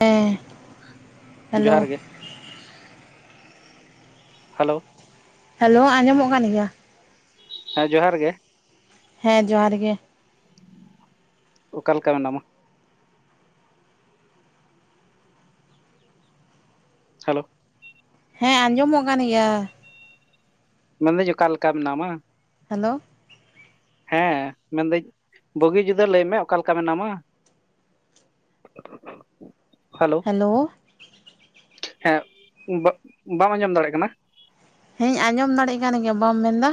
ᱦᱮᱸ ᱡᱚᱦᱟᱨ ᱦᱮᱞᱳ ᱜᱮ ᱦᱮᱞᱳ ᱦᱮᱞᱳ ᱟᱸᱡᱚᱢᱚᱜ ᱠᱟᱱ ᱜᱮᱭᱟ ᱦᱮᱸ ᱡᱚᱦᱟᱨ ᱜᱮ ᱦᱮᱸ ᱡᱚᱦᱟᱨ ᱜᱮ᱾ ᱚᱠᱟ ᱞᱮᱠᱟ ᱢᱮᱱᱟᱢᱟ᱾ ᱦᱟᱞᱳ᱾ ᱦᱮᱸ ᱟᱸᱡᱚᱢᱚᱜ ᱠᱟᱱ ᱜᱮᱭᱟ᱾ ᱢᱮᱱᱫᱟᱹᱧ ᱚᱠᱟ ᱞᱮᱠᱟ ᱢᱮᱱᱟᱢᱟᱹ? ᱦᱮᱞᱳ ᱦᱮᱸ ᱢᱮᱱᱫᱟᱹᱧ ᱵᱩᱜᱤ ᱡᱩᱫᱟᱹ ᱞᱟᱹᱭ ᱢᱮ ᱚᱠᱟ ᱞᱮᱠᱟ ᱢᱮᱱᱟᱢᱟᱹ? [unintelligible] ᱦᱟᱞᱳ ᱦᱮᱞᱳ [unintelligible] ᱦᱮᱸ ᱵᱟᱢ ᱟᱸᱡᱚᱢ ᱫᱟᱲᱮᱜ ᱠᱟᱱᱟ ᱦᱮᱸᱧ ᱟᱸᱡᱚᱢ ᱫᱟᱲᱮᱜ ᱠᱟᱱ ᱜᱮᱭᱟ ᱵᱟᱢ ᱢᱮᱱᱫᱟ᱾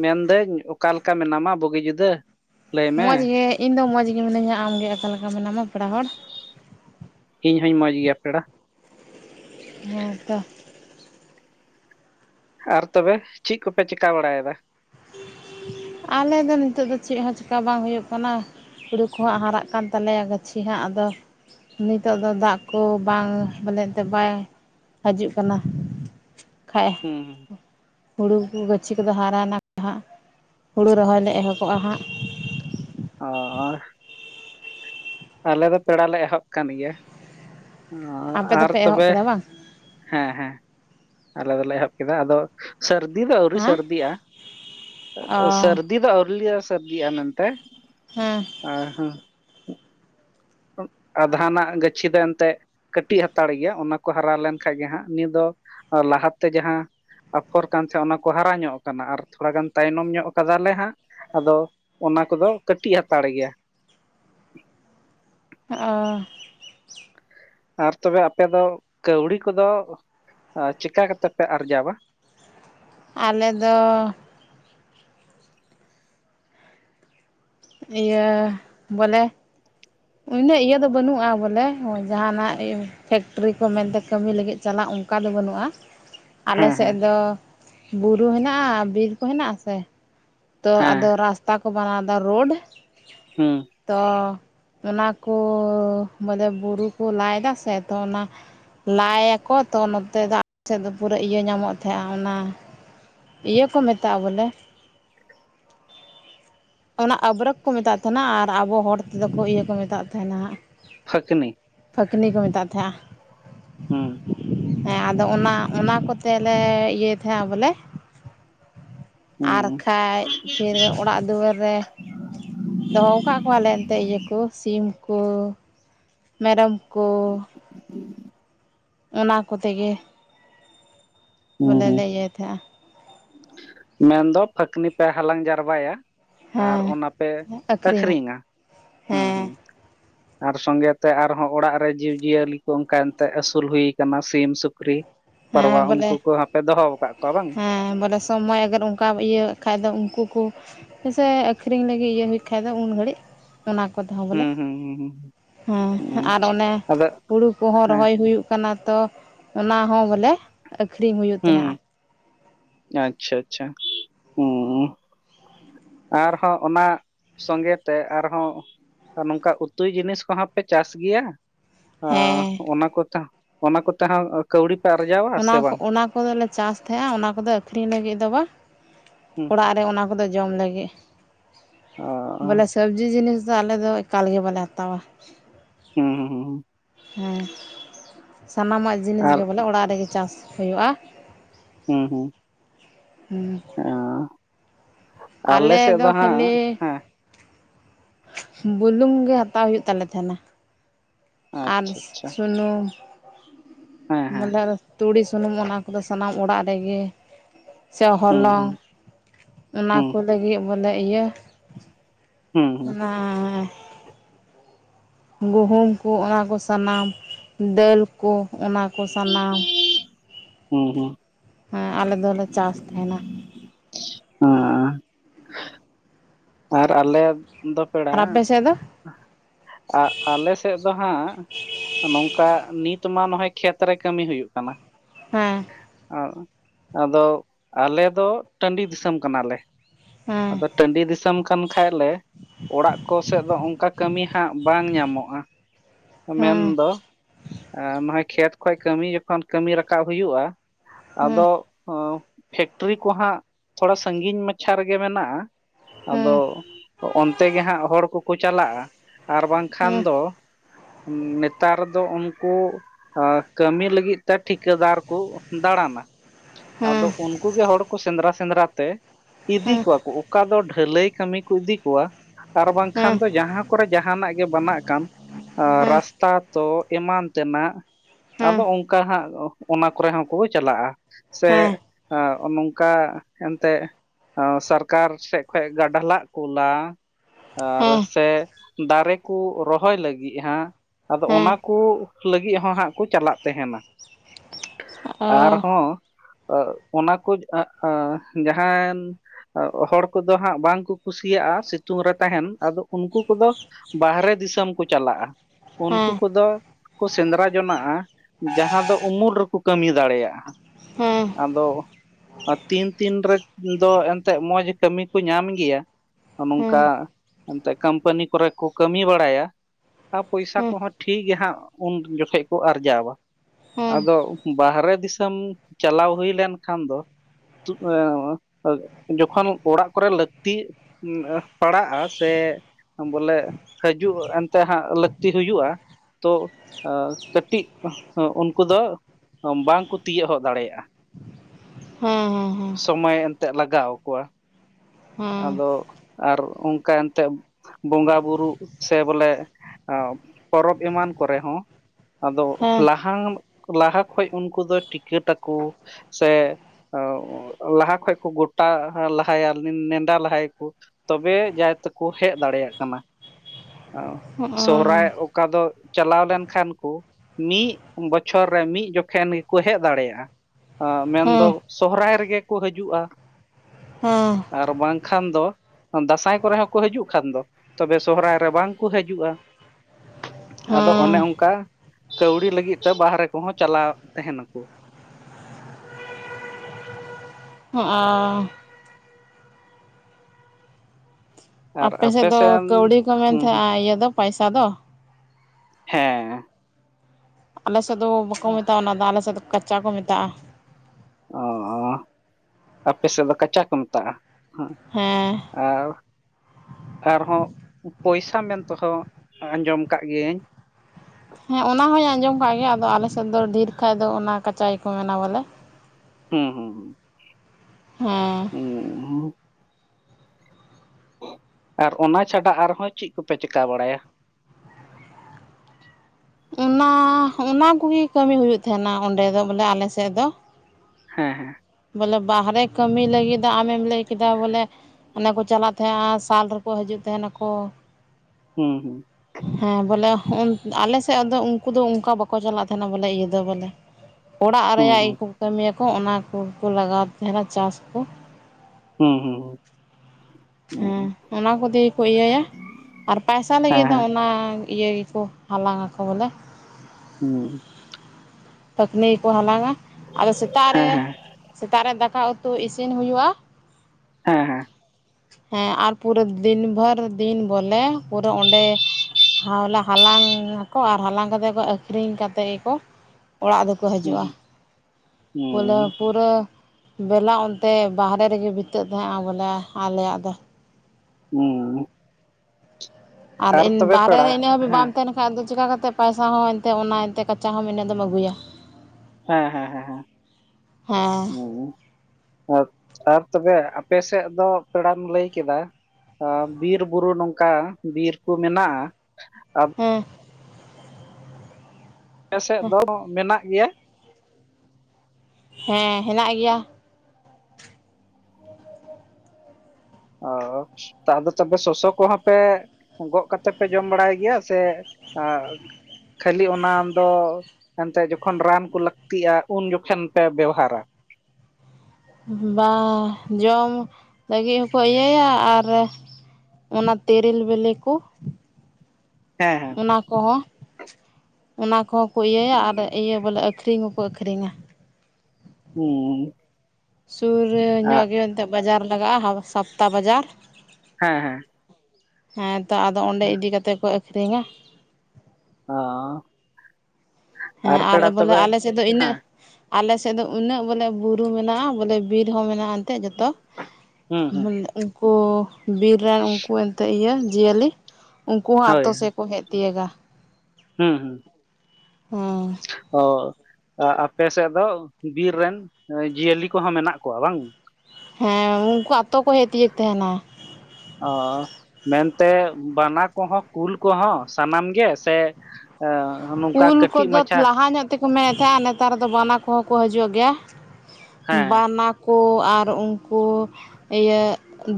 ᱢᱮᱱᱫᱟᱹᱧ ᱚᱠᱟᱞᱮ ᱞᱮᱠᱟ ᱢᱮᱱᱟᱢᱟ ᱵᱩᱜᱤ ᱡᱩᱫᱟᱹ᱾ ᱞᱟᱹᱭ ᱢᱮ ᱢᱚᱡᱽ ᱜᱮ ᱤᱧᱫᱚ ᱢᱚᱡᱽᱜᱮ ᱢᱤᱱᱟᱹᱧᱟᱹ ᱟᱢᱜᱮ ᱚᱠᱟᱞᱮᱠᱟ ᱢᱮᱱᱟᱢᱟ ᱯᱮᱲᱟ ᱦᱚᱲ? ᱤᱧ ᱦᱚᱧ ᱢᱚᱸᱡᱽ ᱜᱮᱭᱟ ᱯᱮᱲᱟ᱾ ᱦᱮᱸ ᱛᱚ᱾ ᱟᱨ ᱛᱚᱵᱮ ᱪᱮᱫ ᱠᱚᱯᱮ ᱪᱤᱠᱟ ᱵᱟᱲᱟᱭᱫᱟ? ᱟᱞᱮ ᱫᱚ ᱱᱤᱛᱚᱜ ᱫᱚ ᱪᱮᱫ ᱦᱚᱸ ᱪᱤᱠᱟ ᱵᱟᱝ ᱦᱩᱭᱩᱜ ᱠᱟᱱᱟᱹ ᱾ ᱦᱩᱲᱩ ᱠᱚᱦᱟᱸ ᱦᱟᱨᱟᱜ ᱠᱟᱱ ᱛᱟᱞᱮᱭᱟ ᱜᱟᱹᱪᱷᱤ ᱦᱟᱸᱜ ᱟᱫᱚ᱾ ᱱᱤᱛᱚᱜ ᱫᱚ ᱫᱟᱜ ᱠᱚ ᱵᱟᱝ [inaudible] ᱵᱟᱭ ᱦᱟᱡᱩᱜ ᱠᱟᱱᱟ᱾ ᱠᱷᱟᱭ ᱦᱩᱸ᱾ ᱦᱩᱲᱩ ᱠᱚ ᱜᱟᱹᱪᱷᱤ ᱠᱚᱫᱚ ᱦᱟᱨᱟ ᱱᱟ ᱦᱟᱸᱜ᱾ ᱦᱩᱲᱩ ᱨᱚᱦᱚᱭ ᱞᱮ ᱮᱦᱚᱵ ᱜᱚ-ᱟ ᱦᱟᱸᱜ᱾ ᱚ [unintelligible] ᱟᱞᱮ ᱫᱚ ᱯᱮᱲᱟ ᱞᱮ ᱮᱦᱚᱵ ᱠᱟᱱ ᱜᱮᱭᱟ ᱟᱯᱮ ᱟᱨ ᱫᱚᱯᱮ ᱮᱦᱚᱵ ᱛᱚᱵᱮ ᱠᱮᱫᱟ ᱵᱟᱝ ᱦᱮᱸ ᱦᱮᱸ ᱟᱞᱮ ᱫᱚᱞᱮ ᱮᱦᱚᱵ ᱠᱮᱫᱟ ᱟᱫᱚ᱾ ᱥᱟᱹᱨᱫᱤ ᱫᱚ ᱟᱹᱣᱨᱤ ᱦᱮᱸ ᱥᱟᱹᱨᱫᱤᱜᱼᱟ ᱚ ᱥᱟᱹᱨᱫᱤ ᱫᱚ [inaudible] ᱥᱟᱹᱨᱫᱤᱜᱼᱟ ᱢᱮᱱᱛᱮ᱾ ᱦᱮᱸ [inaudible] ᱦᱚᱸ ᱟᱫᱷᱟ ᱱᱟᱸᱜ ᱜᱟᱹᱪᱷᱤ ᱫᱚ ᱮᱱᱛᱮᱫ᱾ ᱠᱟᱹᱴᱤᱡ ᱦᱟᱛᱟᱲ ᱜᱮᱭᱟ ᱚᱱᱟ ᱠᱚ ᱦᱟᱨᱟ ᱞᱮᱱᱠᱷᱟᱡ ᱜᱮ ᱦᱟᱸᱜ ᱱᱤᱫ ᱫᱚ ᱞᱟᱦᱟᱛᱮ ᱡᱟᱦᱟᱸ᱾ ᱟᱯᱷᱚᱨ ᱠᱟᱱ ᱛᱟᱦᱮᱱ ᱚᱱᱟ ᱠᱚ ᱦᱟᱨᱟ ᱧᱚᱜ ᱠᱟᱱᱟ ᱟᱨ ᱛᱷᱚᱲᱟ ᱜᱟᱱ ᱛᱟᱭᱱᱚᱢ ᱧᱚᱜ ᱠᱟᱫᱟᱞᱮ ᱦᱟᱸᱜ᱾ ᱟᱫᱚ ᱚᱱᱟ ᱠᱚᱫᱚ ᱠᱟᱹᱴᱤᱡ ᱦᱟᱛᱟᱲ ᱜᱮᱭᱟ᱾ ᱚ ᱟᱨ ᱛᱚᱵᱮ ᱟᱯᱮ ᱫᱚ ᱠᱟᱹᱣᱬᱤ ᱠᱚᱫᱚ ᱪᱮᱠᱟ ᱠᱟᱛᱮ ᱯᱮ ᱟᱨᱡᱟᱣᱟ? ᱟᱞᱮᱫᱚ ᱤᱭᱟᱹ ᱵᱚᱞᱮ ᱩᱱᱟᱹᱜ ᱤᱭᱟᱹ ᱫᱚ ᱵᱟᱹᱱᱩᱜᱼᱟ ᱵᱚᱞᱮ ᱦᱳᱭ ᱡᱟᱦᱟᱱᱟᱜ ᱯᱷᱮᱠᱴᱨᱤ ᱠᱚ ᱢᱮᱱᱛᱮ ᱠᱟᱹᱢᱤ ᱞᱟᱹᱜᱤᱫ ᱪᱟᱞᱟᱜ ᱚᱱᱠᱟ ᱫᱚ ᱵᱟᱹᱱᱩᱜᱼᱟ ᱦᱮᱸ ᱦᱮᱸ ᱟᱞᱮᱥᱮᱫ ᱫᱚ ᱵᱩᱨᱩ ᱦᱮᱱᱟᱜᱼᱟ ᱵᱤᱨ ᱠᱚ ᱦᱤᱱᱟᱜᱼᱟ ᱥᱮ ᱛᱚ ᱦᱮᱸ ᱟᱫᱚ ᱨᱟᱥ ᱛᱟ ᱠᱚ ᱵᱟᱱᱟᱣ ᱫᱟ ᱨᱳᱰ ᱦᱩᱸ ᱛᱚ ᱚᱱᱟᱠᱚ ᱵᱚᱞᱮ ᱵᱩᱨᱩ ᱠᱚ ᱞᱟᱭ ᱫᱟ ᱥᱮ ᱛᱚ ᱚᱱᱟ ᱞᱟᱭ ᱟᱠᱚ ᱛᱚ ᱱᱚᱛᱮ ᱫᱚ ᱫᱟᱜ [inaudible] ᱥᱮᱫ ᱫᱚ ᱯᱩᱨᱟᱹ ᱤᱭᱟᱹ ᱧᱟᱢᱚᱜ ᱛᱟᱦᱮᱸᱼᱟ ᱚᱱᱟ ᱤᱭᱟᱹ ᱠᱚ ᱢᱮᱛᱟᱜᱼᱟ ᱵᱚᱞᱮ᱾ ᱚᱱᱟ ᱟᱵᱨᱚᱵ ᱠᱚ ᱢᱮᱛᱟᱜ ᱛᱟᱦᱮᱱᱟ ᱟᱨ ᱟᱵᱚ ᱦᱚᱲ ᱛᱮᱫᱚ ᱠᱚ ᱤᱭᱟᱹ ᱠᱚ ᱢᱮᱛᱟᱜ ᱛᱟᱦᱮᱱᱟ᱾ ᱯᱷᱟᱹᱠᱱᱤ ᱯᱷᱟᱹᱠᱱᱤ ᱠᱚ ᱢᱮᱛᱟᱫ ᱛᱟᱦᱮᱸᱼᱟ᱾ ᱦᱩᱸ ᱦᱮᱸ ᱟᱫᱚ ᱚᱱᱟ ᱚᱱᱟ ᱠᱚᱛᱮ ᱞᱮ ᱤᱭᱟᱹᱭ ᱛᱟᱦᱮᱸᱼᱟ ᱵᱚᱞᱮ᱾ ᱟᱨ ᱦᱩᱸ ᱠᱷᱟᱡ ᱯᱷᱤᱨ ᱚᱲᱟᱜ ᱫᱩᱣᱟᱹᱨ ᱨᱮ᱾ ᱫᱚᱦᱚᱣ ᱠᱟᱜ ᱠᱚᱣᱟᱞᱮ ᱮᱱᱛᱮᱫ ᱤᱭᱟᱹ ᱠᱚ ᱥᱤᱢ ᱠᱚ ᱢᱮᱨᱚᱢ ᱠᱚ [unintelligible] ᱚᱱᱟ ᱠᱚᱛᱮ ᱜᱮ ᱦᱩᱸ ᱵᱚᱞᱮ ᱵᱚᱞᱮ ᱦᱩᱸ ᱞᱮ ᱤᱭᱟᱹᱭ ᱛᱟᱦᱮᱸᱜᱼᱟ ᱢᱮᱱ ᱫᱚ ᱯᱷᱟᱹᱠᱱᱤ ᱯᱮ ᱦᱟᱞᱟᱝ ᱡᱟᱨᱵᱟᱭᱟ ᱟᱨ ᱦᱮᱸ ᱚᱱᱟ ᱯᱮ ᱟᱹᱠᱷᱨᱤᱧᱟ ᱦᱩᱸ ᱦᱮᱸ ᱦᱩᱸ ᱟᱨ ᱥᱚᱸᱜᱮ ᱛᱮ ᱟᱨᱦᱚᱸ ᱚᱲᱟᱜ ᱨᱮ ᱡᱤᱵᱽᱼᱡᱤᱭᱟᱹᱞᱤ ᱠᱚ ᱚᱱᱠᱟ ᱚᱱᱛᱮ ᱟᱹᱥᱩᱞ ᱦᱩᱭ ᱠᱟᱱᱟ ᱥᱤᱢ ᱥᱩᱠᱨᱤ ᱯᱟᱨᱣᱟ ᱦᱮᱸ ᱵᱚᱞᱮ ᱩᱱᱠᱩ ᱠᱚ ᱦᱟᱯᱮ ᱫᱚᱦᱚ ᱠᱟᱜ ᱠᱚᱣᱟ ᱵᱟᱝ ᱦᱮᱸ ᱵᱚᱞᱮ ᱥᱚᱢᱚᱭ ᱟᱜᱟᱨ ᱚᱠᱟ ᱤᱭᱟᱹ ᱠᱷᱟᱡ ᱫᱚ ᱩᱱᱠᱩ ᱠᱚ ᱦᱮᱸᱥᱮ ᱟᱹᱠᱷᱨᱤᱧ ᱞᱟᱹᱜᱤᱫ ᱤᱭᱟᱹ ᱦᱩᱭᱩᱜ ᱠᱷᱟᱡ ᱫᱚ ᱩᱱ ᱜᱷᱟᱹᱲᱤᱡ ᱚᱱᱟ ᱠᱚᱛᱮ ᱦᱚᱸ ᱵᱚᱞᱮ ᱦᱩᱸ ᱦᱩᱸ ᱦᱩᱸ ᱦᱩᱸ ᱦᱮᱸ ᱟᱨ ᱚᱱᱮ ᱟᱫᱚ ᱦᱩᱲᱩ ᱠᱚᱦᱚᱸ ᱦᱮᱸ ᱨᱚᱦᱚᱭ ᱦᱩᱭᱩᱜ ᱠᱟᱱᱟ ᱛᱚ ᱚᱱᱟ ᱦᱚᱸ ᱵᱚᱞᱮ ᱟᱹᱠᱷᱨᱤᱧ ᱦᱩᱭᱩᱜ ᱛᱟᱦᱮᱸᱜᱼᱟ ᱦᱩᱸ ᱟᱪᱪᱷᱟ ᱟᱪᱪᱷᱟ ᱦᱩᱸ ᱟᱨᱦᱚᱸ ᱚᱱᱟ ᱥᱚᱸᱜᱮ ᱛᱮ ᱟᱨᱦᱚᱸ ᱟᱨ ᱱᱚᱝᱠᱟ ᱩᱛᱩᱭ ᱡᱤᱱᱤᱥ ᱠᱚᱦᱚᱸ ᱯᱮ ᱪᱟᱥ ᱜᱮᱭᱟ ᱦᱮᱸ ᱚᱱᱟ ᱠᱚᱛᱮ ᱚᱱᱟ ᱠᱚᱛᱮ ᱦᱚᱸ ᱠᱟᱹᱣᱰᱤ ᱯᱮ ᱟᱨᱡᱟᱣᱟ ᱚᱱᱟ ᱥᱮ ᱵᱟᱝ ᱚᱱᱟ ᱠᱚᱫᱚᱞᱮ ᱪᱟᱥ ᱛᱟᱦᱮᱸᱜᱼᱟ ᱚᱱᱟ ᱠᱚᱫᱚ ᱟᱠᱷᱨᱤᱧ ᱞᱟᱹᱜᱤᱫ ᱫᱚ ᱵᱟᱝ ᱦᱩᱸ ᱚᱲᱟᱜ ᱨᱮ ᱠᱚᱫᱚ ᱡᱚᱢ ᱞᱟᱹᱜᱤᱫ ᱵᱟᱞᱮ ᱥᱚᱵᱽᱡᱤ ᱡᱤᱱᱤᱥ ᱫᱚ ᱟᱞᱮ ᱫᱚ ᱮᱠᱟᱞ ᱜᱮ ᱵᱟᱞᱮ ᱦᱟᱛᱟᱣᱟ ᱦᱮᱸ ᱦᱩᱸ ᱦᱩᱸ ᱦᱮᱸ ᱥᱟᱱᱟᱢᱟᱜ ᱡᱤᱱᱤᱥ ᱟᱨ ᱜᱮ ᱵᱚᱞᱮ ᱚᱲᱟᱜ ᱨᱮᱜᱮ ᱪᱟᱥ ᱦᱩᱭᱩᱜᱼᱟ ᱦᱮᱸ ᱦᱮᱸ ᱦᱮᱸ ᱚ ᱟᱞᱮ ᱥᱮᱫ ᱫᱚ ᱦᱟᱸᱜ ᱦᱮᱸ ᱵᱩᱞᱩᱝ ᱜᱮ ᱦᱟᱛᱟᱣ ᱦᱩᱭᱩᱜ ᱛᱟᱞᱮ ᱛᱟᱦᱮᱱᱟ ᱟᱨ ᱟᱪᱪᱷᱟ ᱟᱪᱪᱷᱟ ᱥᱩᱱᱩᱢ ᱦᱮᱸ ᱦᱮᱸ ᱢᱚᱞᱮ ᱛᱩᱲᱤ ᱥᱩᱱᱩᱢ ᱚᱱᱟ ᱠᱚᱫᱚ ᱥᱟᱱᱟᱢ ᱚᱲᱟᱜ ᱨᱮᱜᱮ ᱥᱮ ᱦᱩᱸ ᱦᱚᱞᱚᱝ ᱦᱩᱸ ᱚᱱᱟ ᱦᱩᱸ ᱠᱚ ᱞᱟᱹᱜᱤᱫ ᱵᱚᱞᱮ ᱤᱭᱟᱹ ᱦᱩᱸ ᱦᱩᱸ ᱚᱱᱟ ᱜᱩᱦᱩᱢ ᱠᱚ ᱚᱱᱟ ᱠᱚ ᱥᱟᱱᱟᱢ ᱫᱟᱹᱞ ᱠᱚ ᱚᱱᱟ ᱠᱚ ᱥᱟᱱᱟᱢ ᱦᱩᱸ ᱦᱩᱸ ᱦᱮᱸ ᱟᱞᱮ ᱫᱚᱞᱮ ᱪᱟᱥ ᱛᱟᱦᱮᱱᱟ ᱦᱮᱸ ᱟᱨ ᱟᱞᱮ ᱫᱚ ᱯᱮᱲᱟ ᱟᱨ ᱟᱯᱮ ᱥᱮᱫ ᱫᱚ ᱟᱞᱮ ᱥᱮᱫ ᱫᱚ ᱦᱟᱸᱜ ᱱᱚᱝᱠᱟ ᱱᱤᱛ ᱢᱟ ᱱᱚᱜᱼᱚᱭ ᱠᱷᱮᱛ ᱨᱮ ᱠᱟᱹᱢᱤ ᱦᱩᱭᱩᱜ ᱠᱟᱱᱟ ᱦᱮᱸ ᱟᱫᱚ ᱟᱞᱮ ᱫᱚ ᱴᱟᱺᱰᱤ ᱫᱤᱥᱚᱢ ᱠᱟᱱᱟ ᱞᱮ ᱦᱮᱸ ᱟᱫᱚ ᱴᱟᱺᱰᱤ ᱫᱤᱥᱚᱢ ᱠᱟᱱ ᱠᱷᱟᱡ ᱞᱮ ᱚᱲᱟᱜ ᱠᱚ ᱥᱮᱫ ᱫᱚ ᱚᱱᱠᱟ ᱠᱟᱹᱢᱤ ᱦᱟᱸᱜ ᱵᱟᱝ ᱧᱟᱢᱚᱜᱼᱟ ᱢᱮᱱ ᱦᱮᱸ ᱫᱚ ᱱᱚᱜᱼᱚᱭ ᱠᱷᱮᱛ ᱠᱷᱚᱱ ᱠᱟᱹᱢᱤ ᱡᱚᱠᱷᱚᱱ ᱠᱟᱹᱢᱤ ᱨᱟᱠᱟᱵ ᱦᱩᱭᱩᱜᱼᱟ ᱦᱮᱸ ᱟᱫᱚ ᱯᱷᱮᱠᱴᱨᱤ ᱠᱚ ᱦᱟᱸᱜ ᱛᱷᱚᱲᱟ ᱥᱟᱺᱜᱤᱧ ᱢᱟᱪᱷᱟ ᱨᱮᱜᱮ ᱢᱮᱱᱟᱜᱼᱟ ᱟᱫᱚ ᱦᱮᱸ ᱦᱮᱸ ᱚᱱᱛᱮ ᱜᱮ ᱦᱟᱸᱜ ᱦᱚᱲ ᱠᱚ ᱠᱚ ᱪᱟᱞᱟᱜᱼᱟ ᱟᱨ ᱵᱟᱝᱠᱷᱟᱱ ᱫᱚ ᱱᱮᱛᱟᱨ ᱫᱚ ᱩᱱᱠᱩ ᱠᱟᱹᱢᱤ ᱞᱟᱹᱜᱤᱫ ᱛᱮ ᱴᱷᱤᱠᱟᱹᱫᱟᱨ ᱠᱚ ᱫᱟᱬᱟᱱᱟ ᱦᱮᱸ ᱦᱮᱸ ᱟᱫᱚ ᱩᱱᱠᱩ ᱜᱮ ᱦᱚᱲ ᱠᱚ ᱥᱮᱸᱫᱽᱨᱟ ᱥᱮᱸᱫᱽᱨᱟ ᱛᱮ ᱦᱮᱸ ᱤᱫᱤ ᱠᱚᱣᱟ ᱠᱚ ᱚᱠᱟ ᱫᱚ ᱰᱷᱟᱹᱞᱟᱹᱭ ᱠᱟᱹᱢᱤ ᱠᱚ ᱤᱫᱤ ᱠᱚᱣᱟ ᱟᱨ ᱵᱟᱝᱠᱷᱟᱱ ᱦᱮᱸ ᱫᱚ ᱡᱟᱦᱟᱸ ᱠᱚᱨᱮ ᱡᱟᱦᱟᱱᱟᱜ ᱜᱮ ᱵᱮᱱᱟᱜ ᱠᱟᱱ ᱦᱮᱸ ᱨᱟᱥᱛᱟ ᱛᱚ ᱮᱢᱟᱱ ᱛᱮᱱᱟᱜ ᱟᱫᱚ ᱚᱱᱠᱟ ᱦᱟᱸᱜ ᱚᱱᱟ ᱠᱚᱨᱮ ᱦᱚᱸᱠᱚ ᱪᱟᱞᱟᱜᱼᱟ ᱥᱮ ᱦᱮᱸ ᱦᱮᱸ ᱱᱚᱝᱠᱟ ᱮᱱᱛᱮ, ᱥᱚᱨᱠᱟᱨ ᱥᱮᱫ ᱠᱷᱚᱡ ᱜᱟᱰᱞᱟᱜ ᱠᱩᱞᱟ, ᱟᱨ ᱥᱮ ᱫᱟᱨᱮ ᱠᱚ ᱨᱚᱦᱚᱭ ᱞᱟᱹᱜᱤᱫ ᱞᱟᱹᱜᱤᱫ ᱦᱟᱸᱜ ᱟᱫᱚ ᱚᱱᱟ ᱦᱮᱸ ᱠᱚ ᱞᱟᱹᱜᱤᱫ ᱦᱚᱸ ᱦᱟᱸᱜ ᱠᱚ ᱪᱟᱞᱟᱜ ᱛᱟᱦᱮᱱᱟ, ᱚ ᱟᱨᱦᱚᱸ ᱚᱱᱟ ᱠᱚ ᱡᱟᱦᱟᱱ ᱦᱚᱲ ᱠᱚᱫᱚ ᱦᱟᱸᱜ ᱵᱟᱝᱠᱚ ᱠᱩᱥᱤᱭᱟᱜᱼᱟ ᱥᱤᱛᱩᱝ ᱨᱮ ᱛᱟᱦᱮᱱ ᱟᱫᱚ ᱩᱱᱠᱩ ᱠᱚᱫᱚ, ᱵᱟᱦᱨᱮ ᱫᱤᱥᱚᱢ ᱠᱚ ᱪᱟᱞᱟᱜᱼᱟ ᱩᱱᱠᱩ ᱦᱮᱸ ᱠᱚᱫᱚ, ᱠᱚ ᱥᱮᱸᱫᱽᱨᱟ ᱡᱚᱱᱟᱜᱼᱟ ᱡᱟᱦᱟᱸ ᱫᱚ ᱩᱢᱩᱞ ᱨᱮᱠᱚ ᱠᱟᱹᱢᱤ ᱫᱟᱲᱮᱭᱟᱜᱼᱟ ᱦᱮᱸ ᱟᱫᱚ ᱛᱤᱱ ᱛᱤᱱ ᱨᱮ ᱫᱚ ᱮᱱᱛᱮᱫ ᱢᱚᱡᱽ ᱠᱟᱹᱢᱤ ᱠᱚ ᱧᱟᱢ ᱜᱮᱭᱟ ᱱᱚᱝᱠᱟ ᱦᱮᱸ ᱦᱮᱸ ᱮᱱᱛᱮ ᱠᱳᱢᱯᱟᱱᱤ ᱠᱚᱨᱮ ᱠᱚ ᱠᱟᱹᱢᱤ ᱵᱟᱲᱟᱭᱟ ᱟᱨ ᱯᱚᱭᱥᱟ ᱦᱮᱸ ᱦᱮᱸ ᱠᱚᱦᱚᱸ ᱴᱷᱤᱠ ᱜᱮ ᱦᱟᱸᱜ ᱩᱱ ᱡᱚᱠᱷᱚᱱ ᱠᱚ ᱟᱨᱡᱟᱣᱟ ᱦᱮᱸ ᱟᱫᱚ ᱵᱟᱦᱨᱮ ᱫᱤᱥᱚᱢ ᱪᱟᱞᱟᱣ ᱦᱩᱭ ᱞᱮᱱᱠᱷᱟᱱ ᱫᱚ [unintelligible] ᱡᱚᱠᱷᱚᱱ ᱚᱲᱟᱜ ᱠᱚᱨᱮ ᱞᱟᱹᱠᱛᱤ, ᱯᱟᱲᱟᱜᱼᱟ ᱥᱮ ᱵᱚᱞᱮ ᱦᱤᱡᱩᱜ ᱮᱱ, ᱛᱮ ᱦᱟᱸᱜ ᱞᱟᱹᱠᱛᱤ ᱦᱩᱭᱩᱜᱼᱟ ᱛᱚ ᱠᱟᱹᱴᱤᱡ ᱩᱱᱠᱩ ᱫᱚ ᱵᱟᱝᱠᱚ ᱛᱤᱭᱳᱟᱹᱜ ᱦᱚᱫ ᱫᱟᱲᱮᱭᱟᱜᱼᱟ ᱦᱮᱸ ᱥᱚᱢᱚᱭ ᱮᱱᱛᱮᱫ ᱞᱟᱜᱟᱣ ᱟᱠᱚᱣᱟ ᱦᱮᱸ ᱟᱫᱚ, ᱟᱨ ᱚᱱᱠᱟ ᱮᱱᱛᱮᱫ ᱵᱚᱸᱜᱟ ᱵᱩᱨᱩ ᱥᱮ ᱵᱚᱞᱮ, ᱯᱚᱨᱚᱵᱽ ᱮᱢᱟᱱ ᱠᱚᱨᱮ ᱦᱚᱸ ᱟᱫᱚ ᱦᱮᱸ ᱞᱟᱦᱟ ᱞᱟᱦᱟ ᱠᱷᱚᱡ ᱩᱱᱠᱩ ᱫᱚ ᱴᱤᱠᱤᱴ ᱟᱠᱚ, ᱥᱮ ᱞᱟᱦᱟ ᱠᱷᱚᱡ ᱠᱚ ᱜᱚᱴᱟ ᱞᱟᱦᱟᱭᱟ ᱱᱮᱰᱟ ᱞᱟᱦᱟᱭᱟᱠᱚ ᱛᱚᱵᱮ ᱡᱟᱭ ᱛᱮᱠᱚ ᱦᱮᱡ ᱫᱟᱲᱮᱭᱟᱜ ᱠᱟᱱᱟ ᱥᱚᱦᱨᱟᱭ ᱚ ᱚᱠ ᱚᱠᱟ ᱫᱚ ᱪᱟᱞᱟᱣ ᱞᱮᱱᱠᱷᱟᱱ ᱠᱚ, ᱢᱤᱫ ᱵᱚᱪᱷᱚᱨ ᱨᱮ ᱢᱤᱫ ᱡᱚᱠᱷᱮᱱ ᱜᱮᱠᱚ ᱦᱮᱡ ᱫᱟᱲᱮᱭᱟᱜᱼᱟ, ᱢᱮᱱᱫᱚ ᱦᱮᱸ ᱥᱚᱦᱨᱟᱭ ᱨᱮᱜᱮ ᱠᱚ ᱦᱟᱹᱡᱩᱜᱼᱟ, ᱦᱮᱸ ᱟᱨ ᱵᱟᱝᱠᱷᱟᱱ ᱫᱚ ᱫᱟᱸᱥᱟᱭ ᱠᱚᱨᱮ ᱦᱚᱸᱠᱚ ᱦᱤᱡᱩᱜ ᱠᱷᱟᱱ ᱫᱚ ᱛᱚᱵᱮ ᱥᱚᱦᱨᱟᱭ ᱨᱮ ᱵᱟᱝ ᱠᱚ ᱦᱤᱡᱩᱜᱼᱟ, ᱟᱫᱚ ᱚᱱᱮ ᱦᱮᱸ ᱚᱱᱠᱟ ᱠᱟᱹᱣᱰᱤ ᱞᱟᱹᱜᱤᱫ ᱛᱮ ᱵᱟᱦᱨᱮ ᱠᱚᱦᱚᱸ ᱪᱟᱞᱟᱜ ᱛᱟᱦᱮᱱᱟᱠᱚ, ᱦᱚᱸ ᱟᱨ ᱟᱯᱮ ᱥᱮᱫ ᱫᱚ ᱥᱮᱱ ᱠᱟᱹᱣᱰᱤ ᱠᱚ ᱢᱮᱱ ᱦᱩᱸ ᱦᱩᱸ ᱛᱟᱦᱮᱸᱫᱼᱟ ᱤᱭᱟᱹ ᱫᱚ ᱯᱟᱭᱥᱟ ᱫᱚ, ᱦᱮᱸ ᱟᱞᱮ ᱥᱮᱫ ᱫᱚ ᱵᱟᱠᱚ ᱢᱮᱛᱟᱜᱼᱟ ᱚᱱᱟ ᱫᱚ ᱟᱞᱮ ᱥᱮᱫ ᱫᱚ ᱠᱟᱪᱟ ᱠᱚ ᱢᱮᱛᱟᱜᱼᱟ, ᱚ ᱟᱯᱮ ᱥᱮᱫ ᱫᱚ ᱠᱟᱪᱟ ᱠᱚ ᱢᱮᱛᱟᱜᱼᱟ ᱦᱟᱸᱜ ᱦᱮᱸ ᱟᱨ ᱚᱠᱟ ᱨᱮᱦᱚᱸ ᱯᱚᱭᱥᱟ ᱢᱮᱱ ᱛᱮᱦᱚᱸ ᱟᱸᱡᱚᱢ ᱟᱠᱟᱫ ᱜᱤᱭᱟᱹᱧ, ᱦᱮᱸ ᱚᱱᱟ ᱦᱚᱧ ᱟᱸᱡᱚᱢ ᱠᱟᱜ ᱜᱮᱭᱟ ᱟᱫᱚ ᱟᱞᱮᱥᱮᱫ ᱫᱚ ᱰᱷᱮᱨ ᱠᱷᱟ ᱫᱚ ᱚᱱᱟ ᱠᱟᱪᱟ ᱜᱮᱠᱚ ᱢᱮᱱᱟ ᱵᱚᱞᱮ, ᱦᱩᱸ ᱦᱩᱸ ᱦᱩᱸ ᱦᱮᱸ ᱦᱩ ᱟᱨ ᱚᱱᱟ ᱪᱷᱟᱰᱟ ᱟᱨᱦᱚᱸ ᱪᱮᱫ ᱠᱚᱯᱮ ᱪᱤᱠᱟᱹ ᱵᱟᱲᱟᱭᱟ, ᱚᱱᱟ ᱚᱱᱟ ᱠᱚᱜᱮ ᱠᱟᱹᱢᱤ ᱦᱩᱭᱩᱜ ᱛᱟᱦᱮᱱᱟ ᱚᱸᱰᱮ ᱫᱚ ᱵᱚᱞᱮ ᱟᱞᱮᱥᱮᱫ ᱫᱚ, ᱦᱮᱸ ᱦᱮᱸ ᱵᱚᱞᱮ ᱵᱟᱦᱨᱮ ᱠᱟᱹᱢᱤ ᱞᱟᱹᱜᱤᱫ ᱫᱚ ᱟᱢᱮᱢ ᱞᱟᱹᱭ ᱠᱮᱫᱟ ᱵᱚᱞᱮ ᱚᱱᱮ ᱠᱚ ᱪᱟᱞᱟᱜ ᱛᱟᱦᱮᱸᱱᱟ ᱥᱟᱞ ᱨᱮᱠᱚ ᱦᱤᱡᱩᱜ ᱛᱟᱦᱮᱸᱱᱟᱠᱚ, ᱦᱩᱸ ᱦᱩᱸ ᱦᱮᱸ ᱵᱚᱞᱮ ᱟᱞᱮᱥᱮᱫ ᱫᱚ ᱩᱱᱠᱩ ᱫᱚ ᱩᱱ ᱚᱱᱠᱟ ᱵᱟᱠᱚ ᱪᱟᱞᱟᱜ ᱛᱟᱦᱮᱱᱟ ᱵᱚᱞᱮ ᱤᱭᱟᱹ ᱫᱚ ᱵᱚᱞᱮ ᱚᱲᱟᱜ ᱦᱩᱸ ᱨᱮᱭᱟᱜ ᱜᱮᱠᱚ ᱠᱟᱹᱢᱤᱭᱟᱠᱚ ᱚᱱᱟ ᱠᱚᱠᱚ ᱞᱟᱜᱟᱣ ᱛᱟᱦᱮᱱᱟ ᱪᱟᱥ ᱠᱚ, ᱦᱩᱸ ᱦᱩᱸ ᱦᱮᱸ ᱦᱩᱸ ᱚᱱᱟ ᱠᱚᱛᱮ ᱜᱮ ᱠᱚ ᱤᱭᱟᱹᱭᱟ ᱟᱨ ᱯᱟᱭᱥᱟ ᱦᱮᱸ ᱞᱟᱹᱜᱤᱫ ᱫᱚ ᱦᱮᱸ ᱚᱱᱟ ᱤᱭᱟᱹ ᱜᱮᱠᱚ ᱦᱟᱞᱟ ᱝᱟᱠᱚ ᱵᱚᱞᱮ᱾ ᱦᱩᱸ᱾ ᱯᱷᱟᱹᱠᱱᱤ ᱜᱮ ᱠᱚ ᱦᱟᱞᱟᱝᱟ ᱟᱫᱚ ᱥᱮᱛᱟᱜ ᱨᱮ ᱦᱮᱸ ᱦᱮᱸ ᱥᱮᱛᱟᱜ ᱨᱮ ᱫᱟᱠᱟ ᱩᱛᱩ ᱤᱥᱤᱱ ᱦᱩᱭᱩᱜ-ᱟ᱾ ᱦᱮᱸ ᱦᱮᱸ᱾ ᱦᱮᱸ ᱟᱨ ᱯᱩᱨᱟᱹ ᱫᱤᱱ ᱵᱷᱚᱨ ᱫᱤᱱ ᱵᱚᱞᱮ ᱯᱩᱨᱟᱹ ᱚᱸᱰᱮᱼᱼ ᱦᱟᱣᱞᱟ ᱦᱟᱞᱟ ᱝᱟᱠᱚ ᱟᱨ ᱦᱟᱞᱟᱝ ᱠᱟᱛᱮᱜ ᱠᱚ ᱟᱹᱠᱷᱨᱤᱧ ᱠᱟᱛᱮᱜ ᱜᱮᱠᱚᱼᱼ ᱚᱲᱟᱜ ᱫᱚᱠᱚ ᱦᱟᱹᱡᱩᱜ-ᱟ ᱦᱩᱸ ᱯᱚᱞᱟᱹ ᱦᱩᱸ ᱯᱩᱨᱟᱹᱼᱼ ᱵᱮᱞᱟ ᱚᱱᱛᱮ ᱵᱟᱦᱨᱮ ᱨᱮᱜᱮ ᱵᱤᱛᱟᱹᱜ ᱛᱮᱦᱮᱸᱜ-ᱟ ᱵᱚᱞᱮ ᱟᱞᱮᱭᱟᱜ ᱫᱚ᱾ ᱦᱩᱸᱻ᱾ ᱟᱨ ᱤᱱ ᱵᱟᱦᱨᱮ ᱯᱮᱲᱟ ᱤᱱᱟᱹ ᱦᱟᱹᱵᱤᱡ ᱦᱮᱸ ᱵᱟᱢ ᱛᱮᱦᱮᱱᱟᱼᱼ ᱵᱟᱠᱷᱟᱡ ᱫᱚ ᱪᱤᱠᱟ ᱠᱟᱛᱮᱜ ᱯᱟᱭᱥᱟ ᱦᱚᱸ ᱮᱱᱛᱮᱜ ᱚᱱᱟ ᱮᱱᱛᱮᱜ ᱠᱟᱪᱟ ᱦᱚᱸ ᱤᱱᱟᱹ ᱫᱚᱢ ᱟᱹᱜᱩᱭᱟ᱾ ᱦᱮᱸ ᱦᱮᱸ ᱦᱮᱸ ᱦᱮᱸ, ᱦᱮᱸ ᱦᱩᱸ᱾ ᱟᱨ‌ ᱟᱨ ᱛᱚᱵᱮ ᱟᱯᱮ ᱥᱮᱜ ᱫᱚ ᱯᱮᱲᱟᱢ ᱞᱟᱹᱭ ᱠᱮᱫᱟ᱾ ᱟᱻ ᱵᱤᱨ ᱵᱩᱨᱩ ᱱᱚᱝᱠᱟ ᱵᱤᱨ ᱠᱩ ᱢᱮᱱᱟᱜ-ᱟ ᱟᱫ? ᱦᱮᱸ᱾ ᱮ ᱥᱮᱜ ᱫᱚ ᱢᱮᱱᱟᱜ ᱜᱮᱭᱟ᱾ ᱦᱮᱸ ᱦᱮᱱᱟᱜ ᱜᱮᱭᱟ᱾ ᱚᱻ᱾ ᱟᱨ ᱟᱫᱚ ᱛᱚᱵᱮ ᱥᱚᱥᱚ ᱠᱚᱦᱚᱸ ᱯᱮ ᱜᱚᱜ ᱠᱟᱛᱮᱜ ᱯᱮ ᱡᱚᱢ ᱵᱟᱲᱟᱭ ᱜᱮᱭᱟ ᱥᱮ ᱚᱸᱜᱼᱼ ᱠᱷᱟᱹᱞᱤ ᱚᱱᱟᱢ ᱫᱚᱼᱼ ᱮᱱᱛᱮᱜ ᱡᱚᱠᱷᱚᱱ ᱨᱟᱱ ᱠᱚ ᱞᱟᱹᱠᱛᱤᱜ-ᱟ ᱩᱱ ᱡᱚᱠᱷᱮᱱ ᱯᱮ ᱵᱮᱣᱦᱟᱨᱟ᱾ ᱵᱟ ᱡᱚᱢ ᱞᱟᱹᱜᱤᱫ ᱦᱚᱸᱠᱚ ᱤᱭᱟᱹᱭᱟ ᱟᱨᱼᱼ ᱚᱱᱟ ᱛᱮᱨᱮᱞ ᱵᱮᱞᱮ ᱠᱩ᱾ ᱦᱮᱸ ᱦᱮᱸ᱾ ᱚᱱᱟ ᱠᱚᱦᱚᱸ ᱚᱱᱟ ᱠᱚᱦᱚᱸ ᱠᱚ ᱤᱭᱟᱹ ᱭᱟ ᱟᱨ ᱤᱭᱟᱹ ᱵᱚᱞᱮ ᱟᱹᱠᱷᱨᱤᱧ ᱦᱚᱸᱠᱩ ᱟᱹᱠᱷᱨᱤᱧᱟ᱾ ᱦᱩᱸ᱾ ᱥᱩᱨ ᱧᱚᱜ ᱜᱮ ᱮᱱᱛᱮᱜ ᱵᱟᱡᱟᱨ ᱞᱟᱜᱟᱜ-ᱟ ᱦᱟᱯ ᱥᱟᱯᱛᱟ ᱵᱟᱡᱟᱨ᱾ ᱦᱮᱸ ᱦᱮᱸ᱾ ᱦᱮᱸᱛᱚ ᱟᱫᱚ ᱚᱸᱰᱮ ᱤᱫᱤ ᱠᱟᱛᱮᱜ ᱠᱚ ᱟᱹᱠᱷᱨᱤᱧᱟ᱾ ᱟᱸᱻ᱾ ᱦᱮᱸ ᱟᱨ ᱵᱚᱞᱮ ᱟᱞᱮ ᱥᱮᱜ ᱫᱚ ᱤᱱᱟᱹᱼᱼ ᱦᱮᱸ ᱟᱞᱮ ᱥᱮᱜ ᱫᱚ ᱩᱱᱟᱹᱜ ᱵᱚᱞᱮ ᱵᱩᱨᱩ ᱢᱮᱱᱟᱜ-ᱟ ᱵᱚᱞᱮ ᱵᱤᱨ ᱦᱚᱸ ᱢᱮᱱᱟᱜ-ᱟ᱾ ᱮᱱᱛᱮᱜ ᱡᱚᱛᱚ ᱦᱩᱸ ᱦᱩᱸ ᱢᱚᱱᱮ ᱩᱱᱠᱩ ᱵᱤᱨ ᱨᱮᱱ ᱩᱱᱠᱩ ᱮᱱᱛᱮᱜ ᱤᱭᱟᱹ ᱡᱤᱭᱟᱹᱞᱤᱼᱼ ᱩᱱᱠᱩ ᱦᱚᱸ ᱦᱳᱭ ᱟᱛᱳ ᱥᱮᱜ ᱠᱚ ᱦᱮᱡ ᱛᱤᱭᱟᱹᱜᱟ᱾ ᱦᱩᱸ ᱦᱩᱸ᱾ ᱦᱩᱸ᱾ ᱚ ᱟ ᱟᱯᱮ ᱥᱮᱜ ᱫᱚ ᱵᱤᱨ ᱨᱮᱱ ᱮᱸ ᱡᱤᱭᱟᱹᱞᱤ ᱠᱚᱦᱚᱸ ᱢᱮᱱᱟᱜ ᱠᱚᱣᱟ ᱵᱟᱝ? ᱦᱮᱸ ᱩᱱᱠᱩ ᱟᱛᱳ ᱠᱚ ᱦᱮᱡ ᱛᱤᱭᱟᱹᱜᱽ ᱛᱮᱦᱮᱸᱱᱟ᱾ ᱚᱻ᱾ ᱢᱮᱱᱛᱮ ᱵᱟᱱᱟ ᱠᱚᱦᱚᱸ ᱠᱩᱞ ᱠᱚᱦᱚᱸ ᱥᱟᱱᱟᱢ ᱜᱮ ᱥᱮ ᱚᱸᱻᱼᱼ ᱠᱩᱞ ᱠᱚᱫᱚ ᱞᱟᱦᱟ ᱧᱚᱜᱼᱼ ᱛᱮᱠᱚ ᱢᱮᱱᱮᱫ ᱛᱮᱦᱮᱸᱱᱟ ᱱᱮᱛᱟᱨ ᱫᱚ ᱵᱟᱱᱟ ᱠᱚᱦᱚᱸ ᱠᱚ ᱦᱟᱹᱡᱩᱜ ᱜᱮᱭᱟ, ᱦᱮᱸ ᱵᱟᱱᱟᱠᱼᱼ ᱠᱚ ᱟᱨ ᱩᱱᱠᱩᱼᱼ ᱤᱭᱟᱹ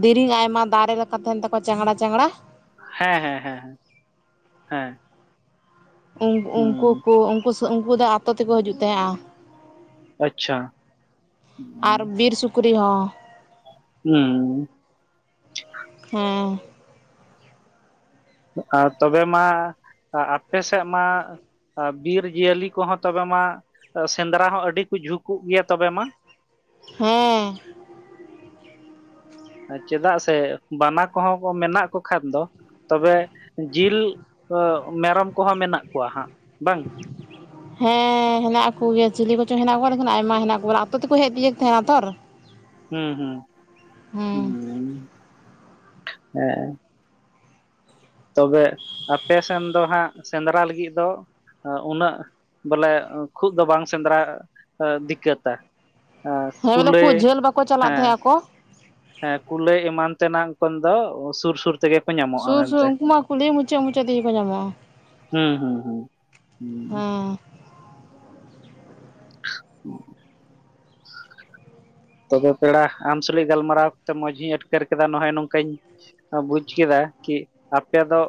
ᱫᱤᱨᱤᱧ ᱟᱭᱢᱟ ᱫᱟᱨᱮ ᱨᱮᱠᱟ ᱛᱟᱦᱮᱱ ᱛᱟᱠᱚᱣᱟ ᱪᱟᱝᱜᱽᱲᱟ ᱪᱟᱝᱜᱽᱲᱟᱼᱼ ᱦᱮᱸ ᱦᱮᱸ ᱦᱮᱸ ᱦᱮᱸ, ᱦᱮᱸ᱾ ᱩᱱᱠ ᱦᱩᱸ ᱩᱱᱠᱩ ᱠᱩ ᱩᱱᱠᱩ ᱥᱩ ᱩᱱᱠᱩ ᱫᱚ ᱟᱛᱳ ᱛᱮᱠᱚ ᱦᱟᱹᱡᱩᱜ ᱛᱮᱦᱮᱸᱜ-ᱟ᱾ ᱟᱪᱪᱷᱟ ᱟᱨ ᱵᱤᱨ ᱥᱩᱠᱨᱤ ᱦᱚᱸᱼᱼ ᱦᱩᱸᱻ᱾ ᱦᱮᱸᱻ᱾ ᱟᱨ ᱛᱚᱵᱮ ᱢᱟ ᱟ ᱟᱯᱮ ᱥᱮᱜ ᱢᱟᱼᱼ ᱵᱤᱨ ᱡᱤᱭᱟᱹᱞᱤ ᱠᱚᱦᱚᱸ ᱛᱚᱵᱮ ᱢᱟ ᱥᱮᱸᱫᱽᱨᱟ ᱦᱚᱸ ᱟᱹᱰᱤ ᱠᱚ ᱡᱷᱩᱠᱚᱜ ᱜᱮᱭᱟ ᱛᱚᱵᱮ ᱢᱟ ᱦᱮᱸ ᱪᱮᱫᱟᱜ ᱥᱮ ᱵᱟᱱᱟ ᱠᱚᱦᱚᱸ ᱠᱚ ᱢᱮᱱᱟᱜ ᱠᱚ ᱠᱷᱟᱱ ᱫᱚ ᱛᱚᱵᱮ ᱡᱤᱞ ᱢᱮᱨᱚᱢ ᱠᱚᱦᱚᱸ ᱢᱮᱱᱟᱜ ᱠᱚᱣᱟ ᱦᱟᱸᱜ ᱵᱟᱝ ᱦᱮᱸ ᱦᱮᱱᱟᱜ ᱠᱚᱜᱮᱭᱟ ᱪᱤᱞᱤ ᱠᱚᱪᱚ ᱦᱮᱱᱟᱜ ᱠᱚᱣᱟ ᱞᱮᱠᱷᱟᱱ ᱟᱭᱢᱟ ᱦᱮᱱᱟᱜ ᱠᱚᱣᱟᱱᱟ ᱟᱹᱛᱩ ᱛᱮᱠᱚ ᱦᱮᱡ ᱛᱤᱭᱚᱜ ᱛᱟᱦᱮᱱᱟ ᱛᱚ ᱦᱩᱸ ᱦᱮᱸ ᱦᱩᱸ ᱦᱮᱸ ᱛᱚᱵᱮ ᱟᱯᱮ ᱥᱮᱱ ᱫᱚ ᱦᱟᱸᱜ ᱥᱮᱸᱫᱽᱨᱟ ᱞᱟᱹᱜᱤᱫ ᱫᱚ ᱩᱱᱟᱹᱜ ᱵᱚᱞᱮ ᱠᱷᱩᱜ ᱫᱚ ᱵᱟᱝ ᱥᱮᱸᱫᱽᱨᱟ ᱫᱤᱠᱠᱟᱹᱛᱟ ᱟᱨ ᱦᱮᱸ ᱵᱚᱞᱮ ᱠᱩᱞᱟᱹᱭ ᱠᱷᱩᱵ ᱡᱷᱟᱹᱞ ᱵᱟᱠᱚ ᱪᱟᱞᱟᱜ ᱦᱮᱸ ᱛᱟᱦᱮᱸ ᱟᱠᱚ ᱦᱮᱸ ᱠᱩᱞᱟᱹᱭ ᱮᱢᱟᱱ ᱛᱮᱱᱟᱜ ᱠᱚᱱ ᱫᱚ ᱥᱩᱨ ᱥᱩᱨ ᱛᱮ ᱜᱮᱠᱚ ᱧᱟᱢᱚᱜ ᱥᱩᱨ ᱥᱩᱨ ᱩᱱᱠᱩ ᱢᱟ ᱠᱩᱞᱤ ᱢᱩᱪᱟᱹᱫ ᱢᱩᱪᱟᱹᱫ ᱛᱮᱜᱮ ᱠᱚ ᱧᱟᱢᱚᱜᱼᱟ ᱦᱩᱸ ᱦᱩᱸ ᱦᱩᱸ ᱦᱮᱸ [unintelligible] ᱛᱚᱵᱮ ᱯᱮᱲᱟ ᱟᱢ ᱥᱩᱞᱤᱡ ᱜᱟᱞᱢᱟᱨᱟᱣ ᱠᱟᱛᱮ ᱢᱚᱸᱡᱽ ᱤᱧ ᱟᱴᱠᱟᱹᱨ ᱠᱮᱫᱟ ᱱᱚᱜᱼᱚᱭ ᱱᱚᱝᱠᱟᱧ ᱵᱩᱡᱽ ᱠᱮᱫᱟ ᱠᱤ ᱟᱯᱮ ᱫᱚ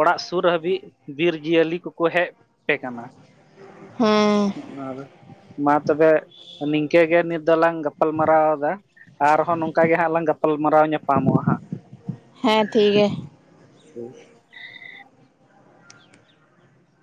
ᱚᱲᱟᱜ ᱥᱩᱨ ᱦᱟᱹᱵᱤᱡ ᱵᱤᱨ ᱡᱤᱭᱟᱹᱞᱤ ᱠᱚᱠᱚ ᱦᱮᱡ ᱯᱮ ᱠᱟᱱᱟ ᱦᱮᱸ ᱟᱨ ᱢᱟ ᱛᱚᱵᱮ ᱱᱤᱝᱠᱟᱹ ᱜᱮ ᱱᱤᱛ ᱫᱚᱞᱟᱝ ᱜᱟᱯᱟᱞᱢᱟᱨᱟᱣᱫᱟ ᱟᱨᱦᱚᱸ ᱱᱚᱝᱠᱟ ᱜᱮ ᱦᱟᱸᱜ ᱞᱟᱝ ᱜᱟᱯᱟᱞᱢᱟᱨᱟᱣ ᱧᱟᱯᱟᱢᱚᱜᱼᱟ ᱦᱟᱸᱜ ᱦᱮᱸ ᱴᱷᱤᱠ ᱜᱮᱭᱟ ᱦᱮᱸ [inaudible]